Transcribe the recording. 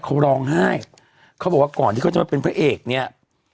เขาร้องไห้เขาบอกว่าก่อนที่เขาจะมาเป็นพระเอกเนี่ย